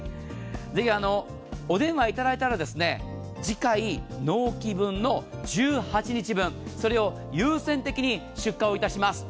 ぜひお電話いただいたら次回、納期分の１８日分それを優先的に出荷します。